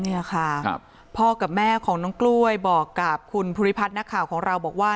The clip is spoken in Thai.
เงี่ยค่ะพ่อกับแม่ของไม่จำนกล้วยบอกกับคุณภุริพัทธ์นครของเราบอกว่า